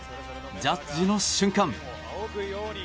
ジャッジの瞬間。